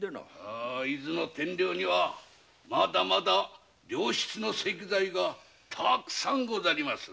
伊豆の天領にはまだまだ良質の石材がたくさんございます。